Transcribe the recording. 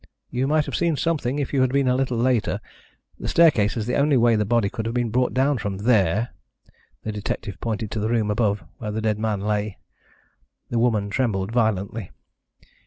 "You might have seen something, if you had been a little later. The staircase is the only way the body could have been brought down from there." The detective pointed to the room above where the dead man lay. The woman trembled violently.